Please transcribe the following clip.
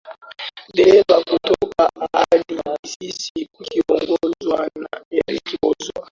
dereva kutoka A hadi B sisi tukiongozwa na Eric Gorgens